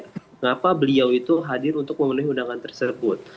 kenapa beliau itu hadir untuk memenuhi undangan tersebut